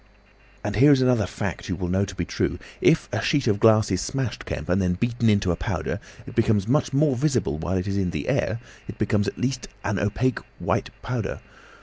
"And here is another fact you will know to be true. If a sheet of glass is smashed, Kemp, and beaten into a powder, it becomes much more visible while it is in the air; it becomes at last an opaque white powder.